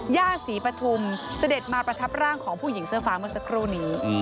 ย่าศรีปฐุมเสด็จมาประทับร่างของผู้หญิงเสื้อฟ้าเมื่อสักครู่นี้